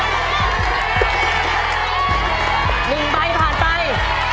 หนึ่งใบผ่านไป